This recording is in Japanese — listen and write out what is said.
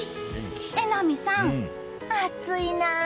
榎並さん、暑いなあ。